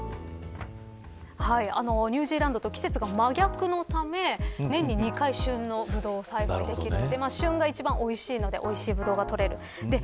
ニュージーランドとは季節が真逆のため年に２回旬のブドウを栽培していて旬が一番おいしいのでおいしいブドウが取れる。